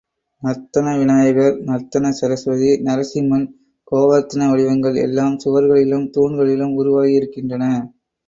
நர்த்தன விநாயகர், நர்த்தன சரஸ்வதி, நரசிம்மன், கோவர்த்தன வடிவங்கள் எல்லாம் சுவர்களிலும் தூண்களிலும் உருவாகி இருக்கின்றன.